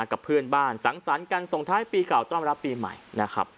กับเพื่อนบ้านสังสรรค์กันส่งท้ายปีเก่าต้อนรับปีใหม่นะครับ